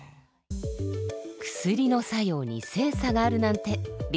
薬の作用に性差があるなんてびっくりですよね。